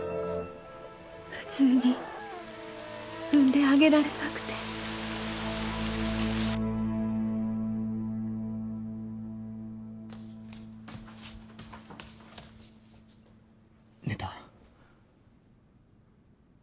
普通に産んであげられなくて寝た？